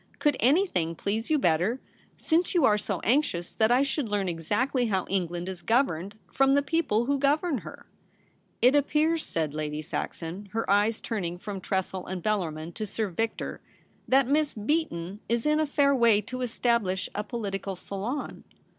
Could any thing please you better, since you are so anxious that I should learn exactly how England is governed — from the people who govern her ?'* It appears/ said Lady Saxon, her eyes turning from Tressel and Bellarmin to Sir Victor, ' that Miss Beaton is in a fair way to establish a political salon.'